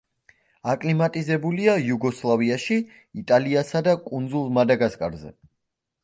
აკლიმატიზებულია იუგოსლავიაში, იტალიასა და კუნძულ მადაგასკარზე.